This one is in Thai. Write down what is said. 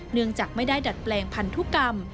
เนื่องจากไม่ได้ดัดแปลงพันธุกรรม